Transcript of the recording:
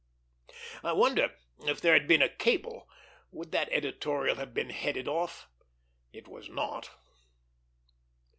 I wonder, if there had been a cable, would that editorial have been headed off. It was not.